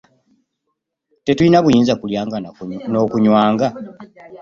Tetulina buyinza okulyanga n'okunywanga?